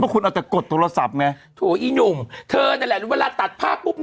ว่าคุณอาจจะกดโทรศัพท์ไงโถ่นี่หนุ่มเธอนี่แหละเวลาตัดผ้า